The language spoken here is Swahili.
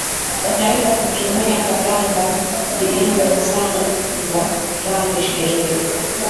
unaweza tumia karanga zilizosangwa gram ishirini